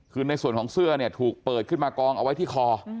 คือในส่วนของเสื้อเนี่ยถูกเปิดขึ้นมากองเอาไว้ที่คอ